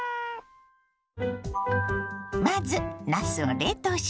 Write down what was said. まずなすを冷凍します。